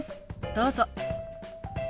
どうぞ。